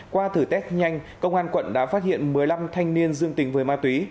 qua thử test nhanh công an quận đã phát hiện một mươi năm thanh niên dương tình với ma túy